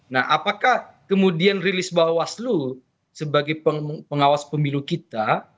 nah apakah kemudian rilis bawah seluruh sebagai pengawas pemilu kita